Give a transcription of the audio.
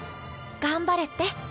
頑張れって。